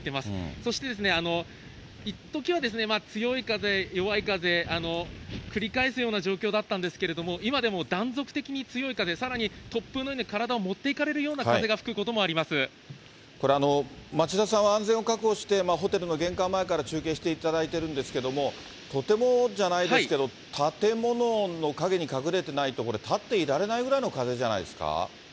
そして、いっときは強い風、弱い風、繰り返すような状況だったんですけども、今でも断続的に強い風、さらに突風のように体をもっていかれるような風が吹くこともありこれ、町田さんは安全を確保して、ホテルの玄関前から中継していただいているんですけれども、とてもじゃないですけど、建物の陰に隠れてないと、立っていられないぐらいの風じゃないですか。